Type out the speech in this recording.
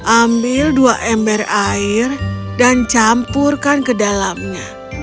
ambil dua ember air dan campurkan ke dalamnya